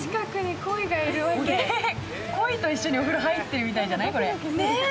こいと一緒にお風呂入ってるみたいじゃない？